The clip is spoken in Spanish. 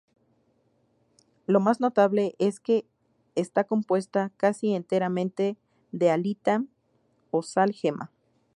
Lo más notable, es que está compuesta casi enteramente de halita o sal gema.